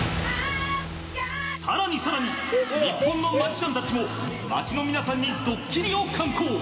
さらにさらに日本のマジシャンたちも街の皆さんにドッキリを敢行。